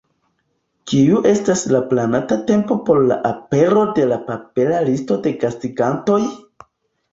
Kiu estas la planata tempo por la apero de la papera listo de gastigantoj?